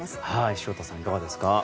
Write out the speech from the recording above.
潮田さん、いかがですか。